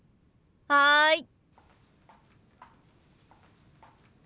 はい。